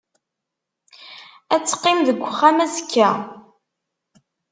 Ad teqqim deg uxxam azekka.